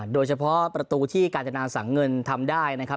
โดยเฉพาะประตูที่กาญจนาสังเงินทำได้นะครับ